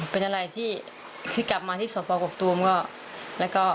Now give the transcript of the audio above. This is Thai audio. เป็นอะไรที่กลับมาที่สวโปรกบุกตัวมันก็ไม่มีแล้วนะคะ